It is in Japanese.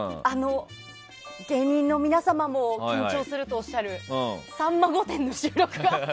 芸人の皆様も緊張するとおっしゃる「さんま御殿！！」の収録が。